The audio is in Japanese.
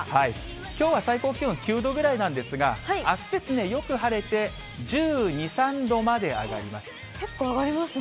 きょうは最高気温９度ぐらいなんですが、あす、よく晴れて、１２、結構上がりますね。